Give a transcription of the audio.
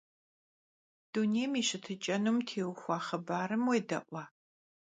Dunêym yi şıtıç'enum têuxua xhıbarım vuêde'ua?